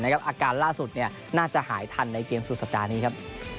อาการล่าสุดน่าจะหายทันในเกมสุดสัปดาห์นี้ครับ